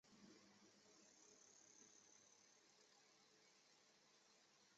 多数生产队现已被拆迁。